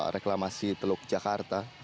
reklamasi teluk jakarta